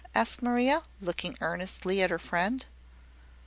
asked Maria, looking earnestly at her friend.